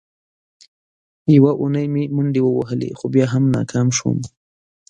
یوه اونۍ مې منډې ووهلې، خو بیا هم ناکام شوم.